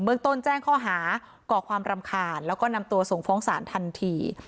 เมืองต้นแจ้งข้อหาก่อความรำคาญแล้วก็นำตัวส่งฟ้องศาลทันที